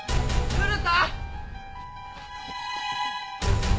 古田！